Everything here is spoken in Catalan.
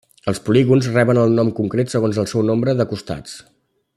Els polígons reben un nom concret segons el seu nombre de costats.